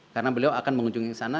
karena beliau akan mengunjungi sana